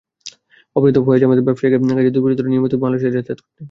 অপহৃত ফয়েজ আহমেদ ব্যবসায়িক কাজে দুই বছর ধরে নিয়মিতভাবে মালয়েশিয়া যাতায়াত করতেন।